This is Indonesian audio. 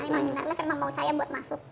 emang menarik emang mau saya buat masuk